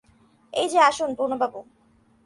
এই-যে, আসুন পূর্ণবাবু!